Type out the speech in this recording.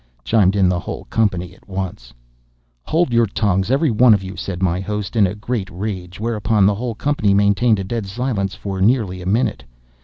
chimed in the whole company at once. "Hold your tongues, every one of you!" said my host, in a great rage. Whereupon the whole company maintained a dead silence for nearly a minute.